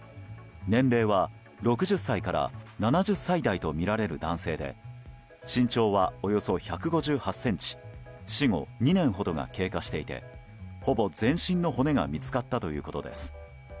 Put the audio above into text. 年齢は６０歳から７０歳代とみられる男性で身長はおよそ１５８ｃｍ死後２年ほどが経過していてほぼ全身の骨が見つかったということです。